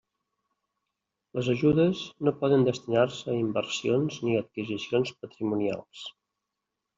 Les ajudes no poden destinar-se a inversions ni a adquisicions patrimonials.